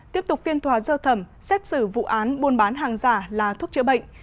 tiếp tục phiên thòa dơ thẩm xét xử vụ án buôn bán hàng giả là thuốc chữa bệnh